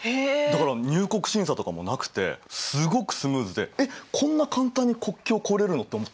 だから入国審査とかもなくてすごくスムーズで「えっこんな簡単に国境を越えれるの？」と思った。